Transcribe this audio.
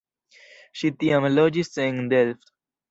Ŝi tiam loĝis en Delft.